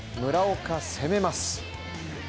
村岡、攻めます。